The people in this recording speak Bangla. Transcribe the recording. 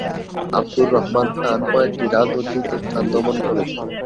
আবদুর রহমান খান কয়েকটি রাজনৈতিক উত্থান দমন করেছেন।